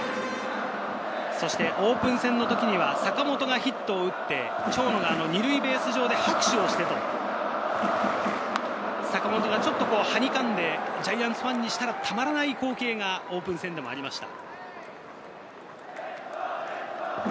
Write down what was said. そしてオープン戦の時には坂本がヒットを打って、長野が２塁ベース上で拍手をして、坂本がちょっとはにかんで、ジャイアンツファンにしたら、たまらない光景がオープン戦ではありました。